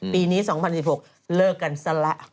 ปีนี้๒๐๑๖เลิกกันซะละ